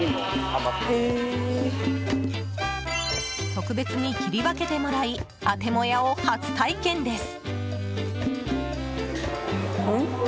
特別に切り分けてもらいアテモヤを初体験です。